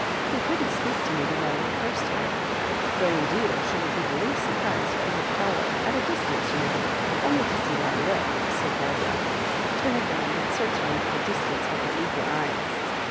He couldn't speak to me, you know, the first time ; though indeed I shouldn't be the least surprised if he had followed — at a distance, you know, only to see where I live," said Barbara, turning round and searching into the distance with her eager eyes.